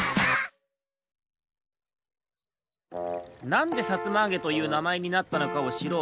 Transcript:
なんで「さつまあげ」というなまえになったのかをしろうと